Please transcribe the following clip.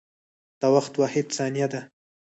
د وخت واحد ثانیه ده.